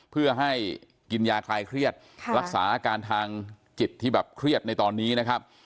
เพื่อให้กินยาคลายเครียดรักษาอาการทางจิตที่แบบเครียดในตอนนี้นะครับ